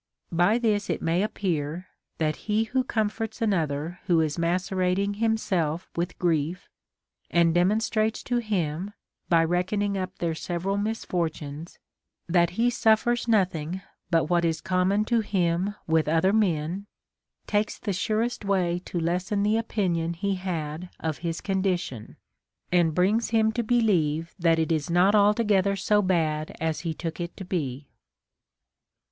By this it may appear, that he Λνΐιο comforts another who is macerat ing himself with grief, and demonstrates to him, by reck oning up their several misfortunes, that he suffers nothing but Avhat is common to him with other men, takes the surest way to lessen the opinion he had of his condition, and brings him to believe that it is not altogether so bad as he took it to be.